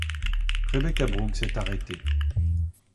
Rebekah Brooks est arrêtée.